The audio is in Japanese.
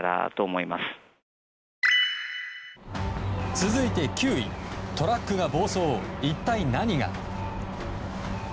続いて９位トラックが暴走、一体何が。